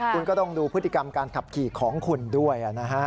คุณก็ต้องดูพฤติกรรมการขับขี่ของคุณด้วยนะฮะ